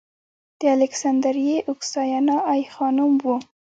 د الکسندریه اوکسیانا ای خانم و